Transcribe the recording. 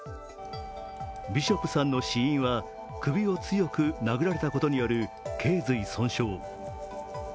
ビショップさん死因は首を強く殴られたことによるけい髄損傷。